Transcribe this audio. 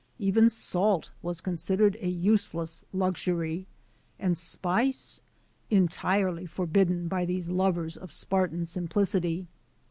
Even salt was considered a useless lux ' ury and spice entirely forbidden by these lovers ' of Spartan simplicity.